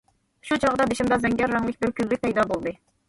شۇ چاغدا بېشىمدا زەڭگەر رەڭلىك بىر كۈنلۈك پەيدا بولدى.